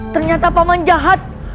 ternyata paman jahat